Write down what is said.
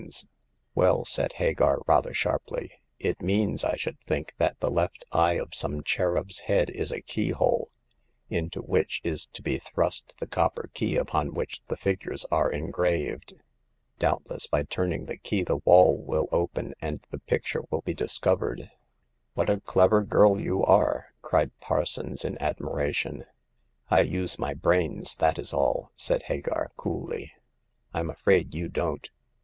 The Fifth Customer. 147 "Well," said Hagar, rather sharply, "it means, I should think, that the left eye of some cherub's head is a keyhole, into which is to be thrust the copper key upon which the figures are engraved. Doubtless, by turning the key the wall will open, and the picture will be discovered." " What a clever girl you are !" cried Parsons, in admiration. I use my brains, that is all," said Hagar, coolly. " Fm afraid you don't.